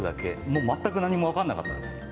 全く何も分かんなかったです。